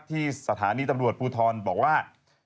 ที่สถานีตำรวจภูทรบอกว่า